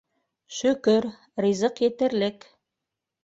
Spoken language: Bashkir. Шөкөр, ризыҡ етерлек.